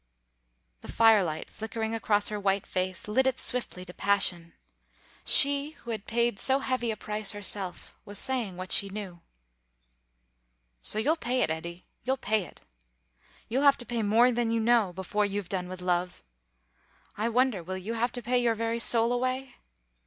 The firelight, flickering across her white face, lit it swiftly to passion. She, who had paid so heavy a price herself, was saying what she knew. "So you'll pay it, Eddy. You'll pay it. You'll have to pay more than you know, before you've done with love. I wonder will you have to pay your very soul away?